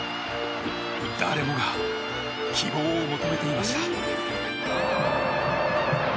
誰もが希望を求めていました。